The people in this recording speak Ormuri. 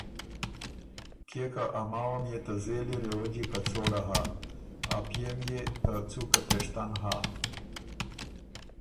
کيې که ا ماوه ميې ته زېلی رېوَجي کڅوړه هۀ، ا پئے ميې ته څُوکه تېشتن هۀ۔